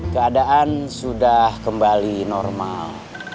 keadaan sudah kembali normal